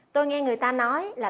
tôi nghe người ta nói là